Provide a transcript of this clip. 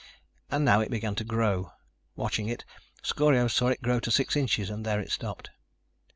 And now it began to grow. Watching it, Scorio saw it grow to six inches and there it stopped.